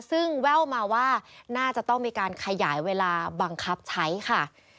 ซึ่งแว่วมาว่าน่าจะต้องมีการขยายเวลาบังคับใช้ค่ะ